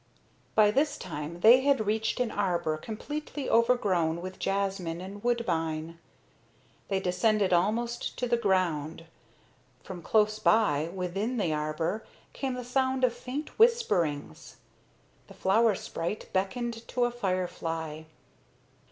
By this time they had reached an arbor completely overgrown with jasmine and woodbine. They descended almost to the ground. From close by, within the arbor, came the sound of faint whispering. The flower sprite beckoned to a firefly.